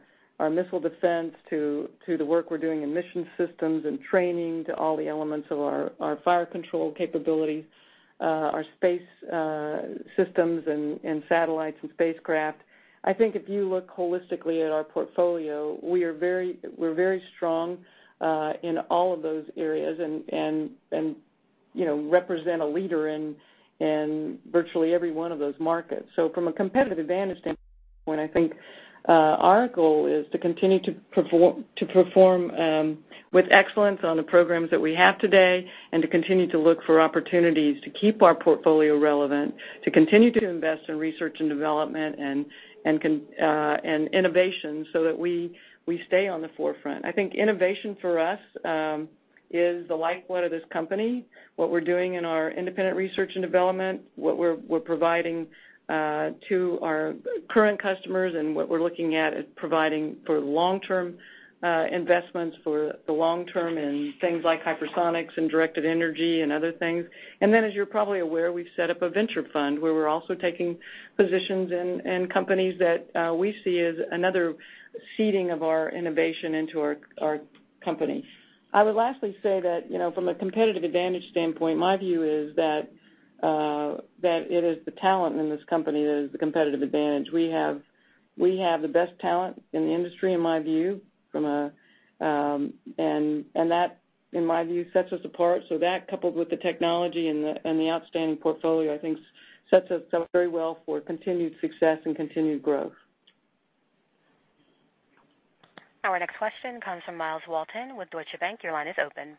missile defense to the work we're doing in mission systems and training to all the elements of our fire control capability, our space systems and satellites and spacecraft, I think if you look holistically at our portfolio, we're very strong in all of those areas and represent a leader in virtually every one of those markets. From a competitive advantage standpoint, I think our goal is to continue to perform with excellence on the programs that we have today and to continue to look for opportunities to keep our portfolio relevant, to continue to invest in research and development and innovation so that we stay on the forefront. I think innovation for us is the lifeblood of this company. What we're doing in our independent research and development, what we're providing to our current customers, and what we're looking at is providing for long-term investments for the long term in things like hypersonics and directed energy and other things. As you're probably aware, we've set up a venture fund where we're also taking positions in companies that we see as another seeding of our innovation into our company. I would lastly say that from a competitive advantage standpoint, my view is that it is the talent in this company that is the competitive advantage. We have the best talent in the industry, in my view, and that, in my view, sets us apart. That, coupled with the technology and the outstanding portfolio, I think sets us up very well for continued success and continued growth. Our next question comes from Myles Walton with Deutsche Bank. Your line is open.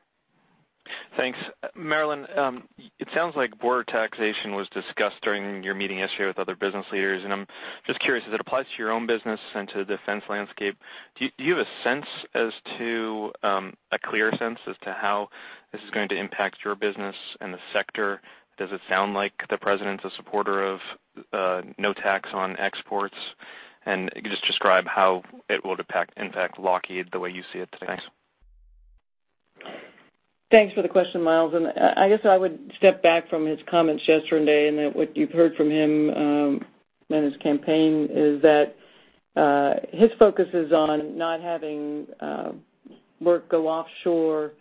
Thanks. Marillyn, it sounds like border taxation was discussed during your meeting yesterday with other business leaders. I'm just curious as it applies to your own business and to the defense landscape. Do you have a clear sense as to how this is going to impact your business and the sector? Does it sound like the President's a supporter of no tax on exports? Could you just describe how it will impact Lockheed the way you see it today? Thanks for the question, Myles. I guess I would step back from his comments yesterday. What you've heard from him and his campaign is that his focus is on not having work go offshore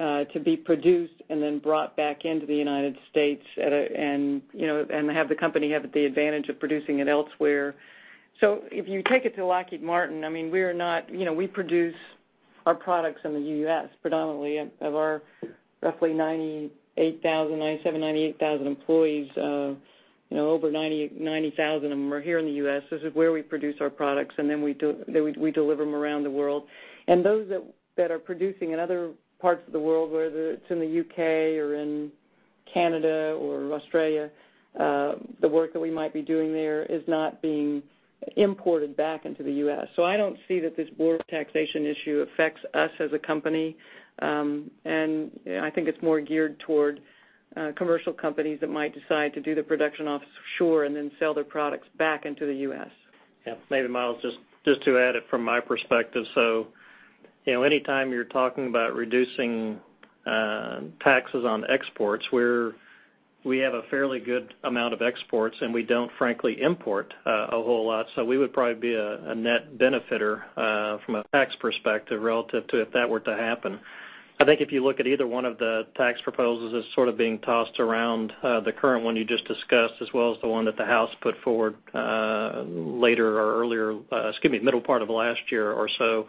to be produced and then brought back into the U.S. and have the company have the advantage of producing it elsewhere. If you take it to Lockheed Martin, we produce our products in the U.S. predominantly. Of our roughly 97,000, 98,000 employees, over 90,000 of them are here in the U.S. This is where we produce our products. Then we deliver them around the world. Those that are producing in other parts of the world, whether it's in the U.K. or in Canada or Australia, the work that we might be doing there is not being imported back into the U.S. I don't see that this border taxation issue affects us as a company. I think it's more geared toward commercial companies that might decide to do the production offshore and then sell their products back into the U.S. Yeah. Maybe, Myles, just to add it from my perspective. Any time you're talking about reducing taxes on exports, we're We have a fairly good amount of exports, and we don't, frankly, import a whole lot. We would probably be a net benefiter from a tax perspective relative to if that were to happen. I think if you look at either one of the tax proposals as sort of being tossed around, the current one you just discussed, as well as the one that the House put forward middle part of last year or so.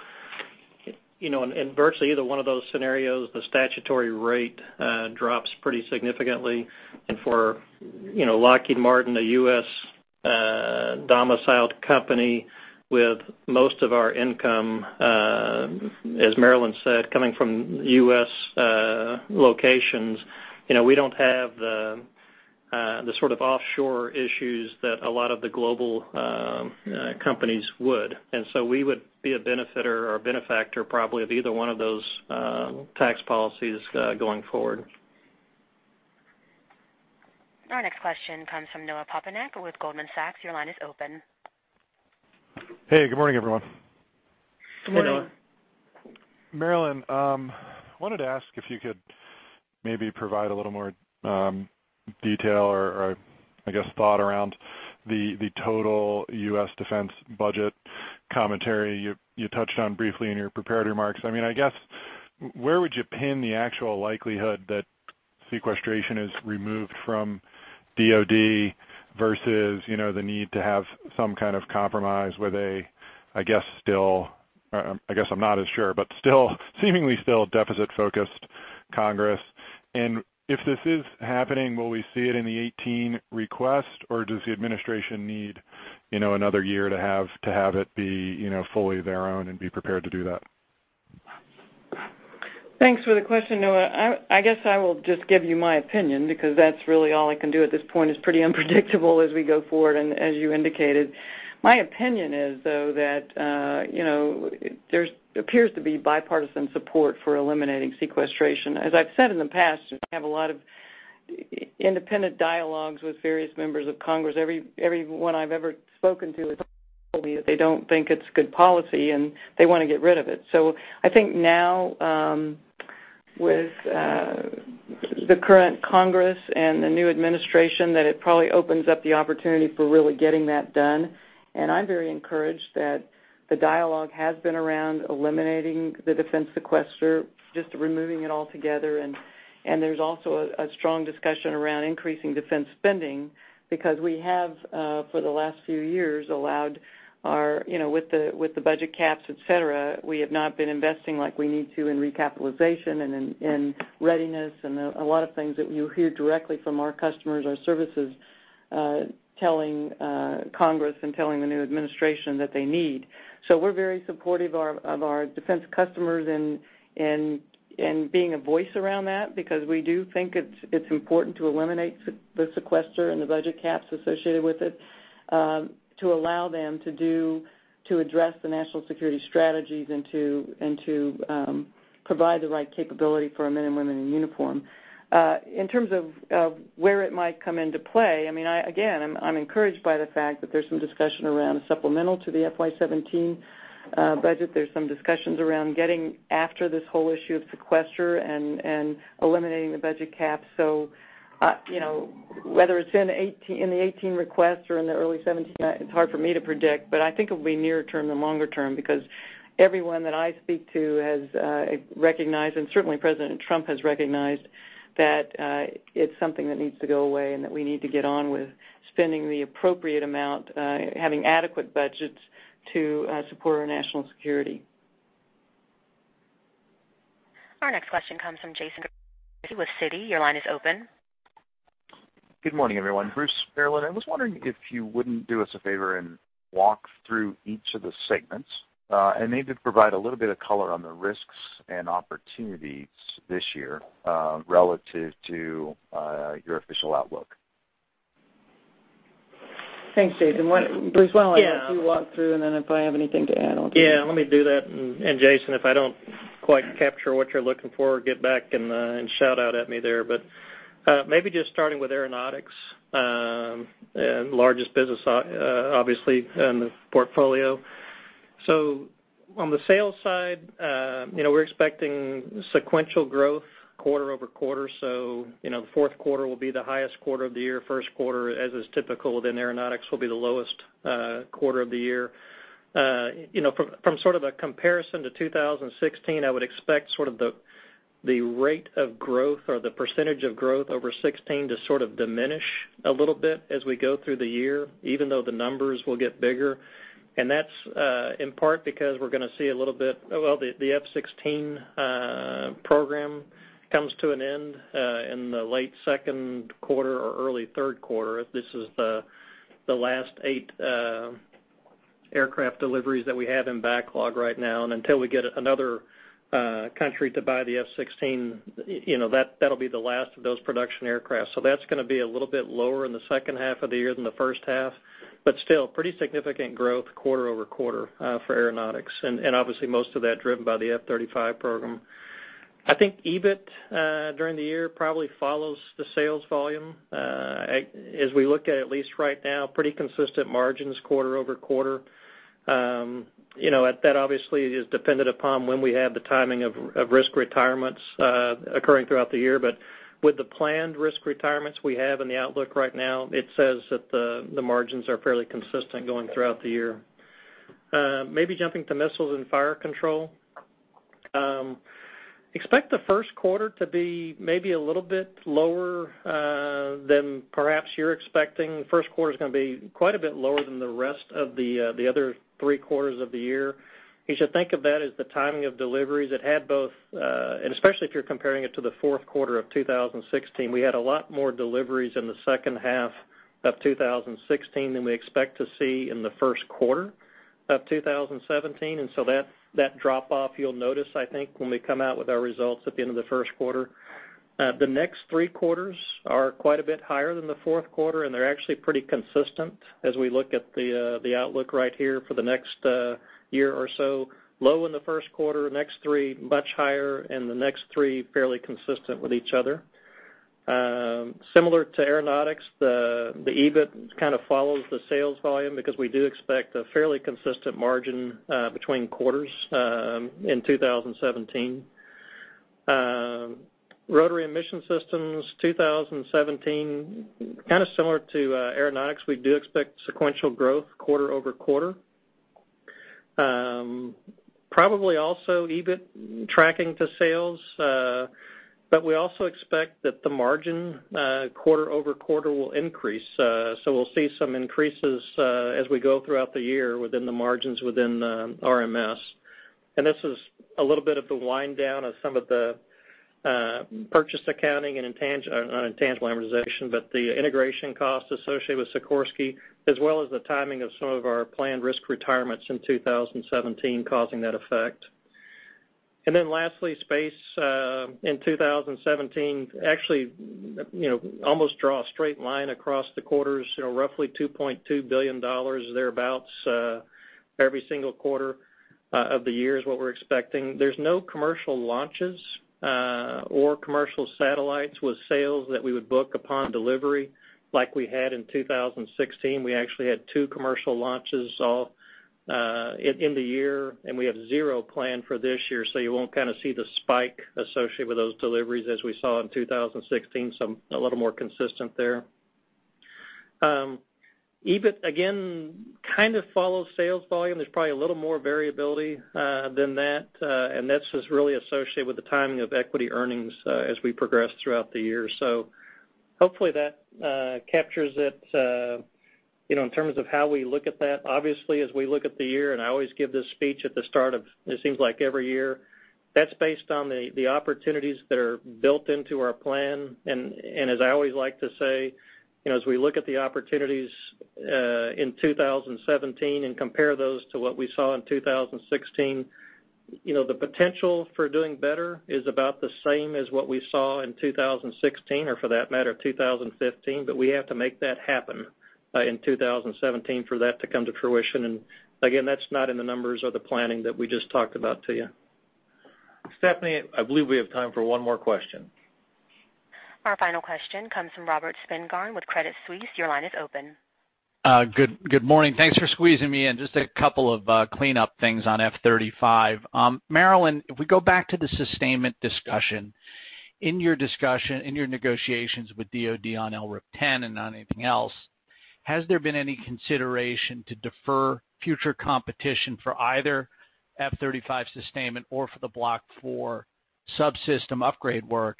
In virtually either one of those scenarios, the statutory rate drops pretty significantly. For Lockheed Martin, a U.S.-domiciled company with most of our income, as Marillyn said, coming from U.S. locations, we don't have the sort of offshore issues that a lot of the global companies would. We would be a benefiter or benefactor, probably, of either one of those tax policies going forward. Our next question comes from Noah Poponak with Goldman Sachs. Your line is open. Hey, good morning, everyone. Good morning. Good morning. Marillyn, wanted to ask if you could maybe provide a little more detail or, I guess, thought around the total U.S. defense budget commentary you touched on briefly in your prepared remarks. I guess, where would you pin the actual likelihood that sequestration is removed from DoD versus the need to have some kind of compromise with a, I guess, I'm not as sure, but seemingly still deficit-focused Congress. If this is happening, will we see it in the 2018 request, or does the administration need another year to have it be fully their own and be prepared to do that? Thanks for the question, Noah. I guess I will just give you my opinion, because that's really all I can do at this point. It's pretty unpredictable as we go forward, as you indicated. My opinion is, though, that there appears to be bipartisan support for eliminating sequestration. As I've said in the past, I have a lot of independent dialogues with various members of Congress. Everyone I've ever spoken to has told me that they don't think it's good policy, and they want to get rid of it. I think now, with the current Congress and the new administration, that it probably opens up the opportunity for really getting that done. I'm very encouraged that the dialogue has been around eliminating the defense sequester, just removing it altogether. There's also a strong discussion around increasing defense spending, because we have for the last few years allowed, with the budget caps, et cetera, we have not been investing like we need to in recapitalization and in readiness and a lot of things that you hear directly from our customers, our services, telling Congress and telling the new administration that they need. We're very supportive of our defense customers and being a voice around that, because we do think it's important to eliminate the sequester and the budget caps associated with it, to allow them to address the national security strategies and to provide the right capability for our men and women in uniform. In terms of where it might come into play, again, I'm encouraged by the fact that there's some discussion around a supplemental to the FY 2017 budget. There's some discussions around getting after this whole issue of sequester and eliminating the budget cap. Whether it's in the 2018 request or in the early 2017, it's hard for me to predict, but I think it'll be nearer term than longer term, because everyone that I speak to has recognized, and certainly President Trump has recognized, that it's something that needs to go away and that we need to get on with spending the appropriate amount, having adequate budgets to support our national security. Our next question comes from Jason Gursky with Citi. Your line is open. Good morning, everyone. Bruce, Marillyn, I was wondering if you wouldn't do us a favor and walk through each of the segments, and maybe provide a little bit of color on the risks and opportunities this year relative to your official outlook. Thanks, Jason. Bruce, why don't I let you walk through, and then if I have anything to add, I'll do that. Yeah, let me do that. Jason, if I don't quite capture what you're looking for, get back and shout out at me there. Maybe just starting with Aeronautics, the largest business, obviously, in the portfolio. On the sales side, we're expecting sequential growth quarter-over-quarter, so the fourth quarter will be the highest quarter of the year. First quarter, as is typical within Aeronautics, will be the lowest quarter of the year. From sort of a comparison to 2016, I would expect sort of the rate of growth or the percentage of growth over 2016 to sort of diminish a little bit as we go through the year, even though the numbers will get bigger. That's in part because we're going to see a little bit, well, the F-16 program comes to an end in the late second quarter or early third quarter. This is the last eight aircraft deliveries that we have in backlog right now. Until we get another country to buy the F-16, that'll be the last of those production aircraft. That's going to be a little bit lower in the second half of the year than the first half, but still pretty significant growth quarter-over-quarter for Aeronautics. Obviously most of that driven by the F-35 program. I think EBIT during the year probably follows the sales volume. As we look at least right now, pretty consistent margins quarter-over-quarter. That obviously is dependent upon when we have the timing of risk retirements occurring throughout the year. With the planned risk retirements we have in the outlook right now, it says that the margins are fairly consistent going throughout the year. Maybe jumping to Missiles and Fire Control. Expect the first quarter to be maybe a little bit lower than perhaps you're expecting. First quarter is going to be quite a bit lower than the rest of the other three quarters of the year. You should think of that as the timing of deliveries. It had both, especially if you're comparing it to the fourth quarter of 2016, we had a lot more deliveries in the second half of 2016 than we expect to see in the first quarter of 2017. That drop off, you'll notice, I think, when we come out with our results at the end of the first quarter. The next three quarters are quite a bit higher than the fourth quarter, and they're actually pretty consistent as we look at the outlook right here for the next year or so. Low in the first quarter, next three much higher, the next three fairly consistent with each other. Similar to Aeronautics, the EBIT kind of follows the sales volume because we do expect a fairly consistent margin between quarters in 2017. Rotary Mission Systems 2017, kind of similar to Aeronautics. We do expect sequential growth quarter-over-quarter. Probably also EBIT tracking to sales, we also expect that the margin quarter-over-quarter will increase. We'll see some increases as we go throughout the year within the margins within RMS. This is a little bit of the wind down of some of the purchase accounting and intangible amortization, but the integration cost associated with Sikorsky, as well as the timing of some of our planned risk retirements in 2017 causing that effect. Lastly, space in 2017, actually, almost draw a straight line across the quarters, roughly $2.2 billion, thereabouts, every single quarter of the year is what we're expecting. There is no commercial launches or commercial satellites with sales that we would book upon delivery like we had in 2016. We actually had two commercial launches all in the year, and we have zero planned for this year. You won't kind of see the spike associated with those deliveries as we saw in 2016. A little more consistent there. EBIT, again, kind of follows sales volume. There is probably a little more variability than that, and this is really associated with the timing of equity earnings as we progress throughout the year. Hopefully that captures it in terms of how we look at that. Obviously, as we look at the year, I always give this speech at the start of, it seems like every year. That is based on the opportunities that are built into our plan. As I always like to say, as we look at the opportunities in 2017 and compare those to what we saw in 2016, the potential for doing better is about the same as what we saw in 2016, or for that matter, 2015. We have to make that happen in 2017 for that to come to fruition. Again, that is not in the numbers or the planning that we just talked about to you. Stephanie, I believe we have time for one more question. Our final question comes from Robert Spingarn with Credit Suisse. Your line is open. Good morning. Thanks for squeezing me in. Just a couple of cleanup things on F-35. Marillyn, if we go back to the sustainment discussion. In your negotiations with DoD on LRIP 10 and on anything else, has there been any consideration to defer future competition for either F-35 sustainment or for the Block 4 subsystem upgrade work?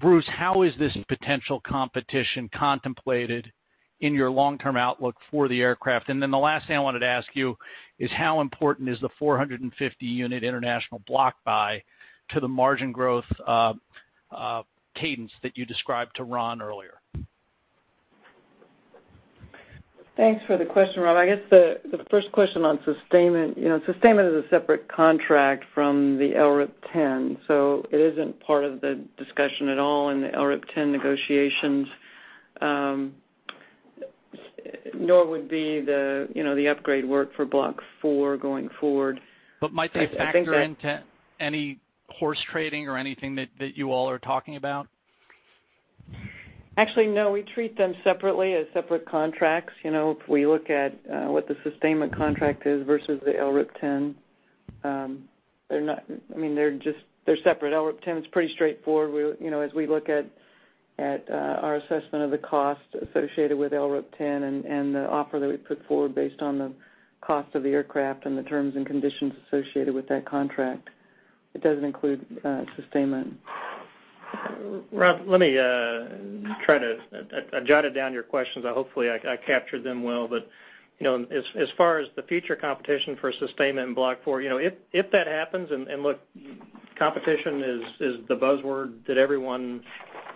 Bruce, how is this potential competition contemplated in your long-term outlook for the aircraft? The last thing I wanted to ask you is how important is the 450-unit international block buy to the margin growth cadence that you described to Ron earlier? Thanks for the question, Rob. I guess the first question on sustainment. Sustainment is a separate contract from the LRIP 10. It isn't part of the discussion at all in the LRIP 10 negotiations, nor would be the upgrade work for Block 4 going forward. Might they factor into any horse trading or anything that you all are talking about? Actually, no, we treat them separately as separate contracts. If we look at what the sustainment contract is versus the LRIP 10, they're separate. LRIP 10 is pretty straightforward as we look at our assessment of the cost associated with LRIP 10 and the offer that we put forward based on the cost of the aircraft and the terms and conditions associated with that contract. It doesn't include sustainment. Rob, let me try to. I jotted down your questions. Hopefully, I captured them well. As far as the future competition for sustainment in Block 4, if that happens, and look, competition is the buzzword that everyone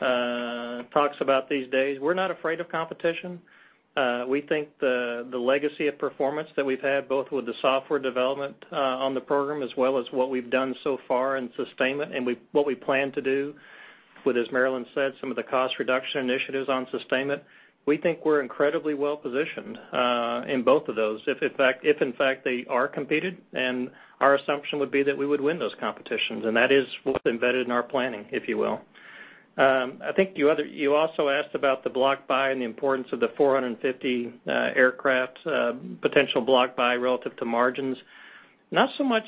talks about these days. We're not afraid of competition. We think the legacy of performance that we've had, both with the software development on the program as well as what we've done so far in sustainment and what we plan to do with, as Marillyn said, some of the cost reduction initiatives on sustainment. We think we're incredibly well-positioned in both of those. If in fact they are competed, our assumption would be that we would win those competitions, and that is what's embedded in our planning, if you will. I think you also asked about the block buy and the importance of the 450 aircraft potential block buy relative to margins. Not so much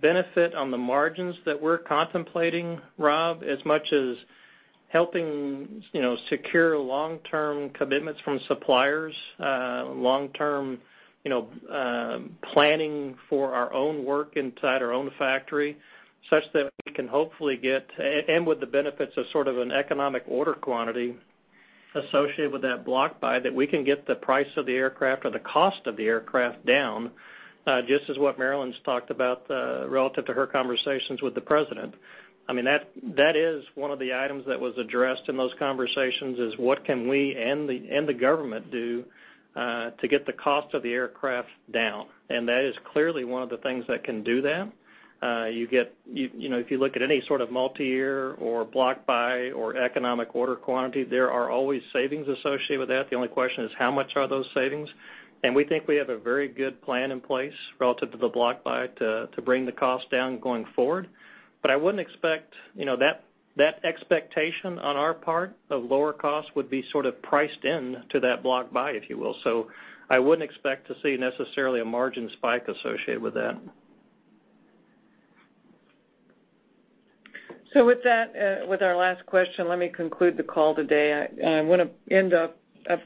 benefit on the margins that we're contemplating, Rob, as much as helping secure long-term commitments from suppliers, long-term planning for our own work inside our own factory, such that we can hopefully get, and with the benefits of sort of an economic order quantity associated with that block buy, that we can get the price of the aircraft or the cost of the aircraft down, just as what Marillyn's talked about relative to her conversations with the President. That is one of the items that was addressed in those conversations, is what can we and the government do to get the cost of the aircraft down. That is clearly one of the things that can do that. If you look at any sort of multi-year or block buy or economic order quantity, there are always savings associated with that. The only question is how much are those savings. We think we have a very good plan in place relative to the block buy to bring the cost down going forward. That expectation on our part of lower cost would be sort of priced into that block buy, if you will. I wouldn't expect to see necessarily a margin spike associated with that. With that, with our last question, let me conclude the call today. I want to end up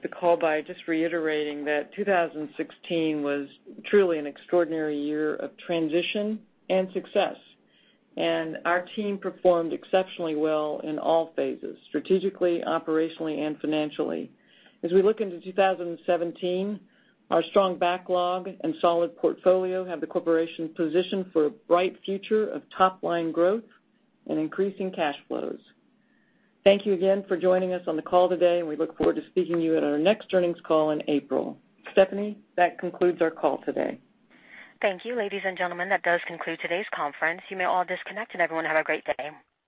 the call by just reiterating that 2016 was truly an extraordinary year of transition and success. Our team performed exceptionally well in all phases, strategically, operationally, and financially. As we look into 2017, our strong backlog and solid portfolio have the corporation positioned for a bright future of top-line growth and increasing cash flows. Thank you again for joining us on the call today, and we look forward to speaking to you at our next earnings call in April. Stephanie, that concludes our call today. Thank you, ladies and gentlemen. That does conclude today's conference. You may all disconnect. Everyone have a great day.